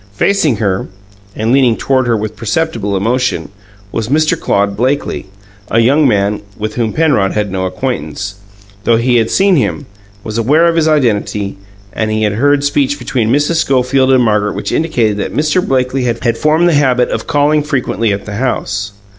Facing her, and leaning toward her with perceptible emotion, was Mr. Claude Blakely a young man with whom Penrod had no acquaintance, though he had seen him, was aware of his identity, and had heard speech between Mrs. Schofield and Margaret which indicated that Mr. Blakely had formed the habit of calling frequently at the house.